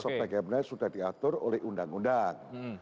sebagai benar sudah diatur oleh undang undang